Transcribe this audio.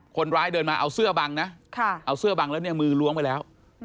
คนร้ายเดินมาเอาเสื้อบังนะเอาเสื้อบังแล้วเนี่ยมือล้วงไปแล้ว